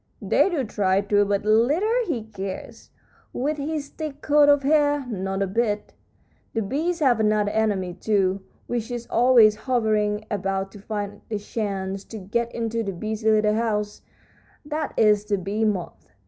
"They do try to, but little he cares, with his thick coat of hair. Not a bit. The bees have another enemy, too, which is always hovering about to find a chance to get into the busy little house; that is the bee moth.